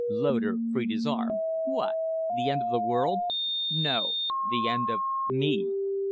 Loder freed his arm. "What? The end of the world?" "No. The end of me."